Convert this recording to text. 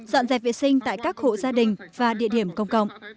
dọn dẹp vệ sinh tại các hộ gia đình và địa điểm công cộng